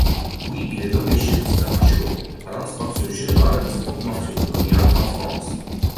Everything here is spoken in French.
Puis, il est nommé chef d'état-major à l'Inspection générale des formations coloniales en France.